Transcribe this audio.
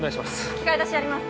器械出しやります